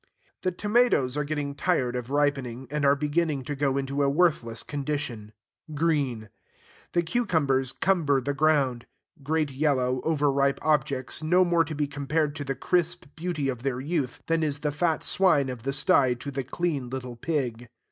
The tomatoes are getting tired of ripening, and are beginning to go into a worthless condition, green. The cucumbers cumber the ground, great yellow, over ripe objects, no more to be compared to the crisp beauty of their youth than is the fat swine of the sty to the clean little pig.